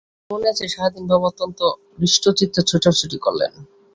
আমার মনে আছে, সারাদিন বাবা অত্যন্ত হৃষ্টচিত্তে ছোটাছুটি করলেন।